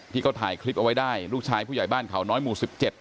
ที่เขาถ่ายคลิปเอาไว้ได้ลูกชายผู้ใหญ่บ้านเขาน้อยหมู่๑๗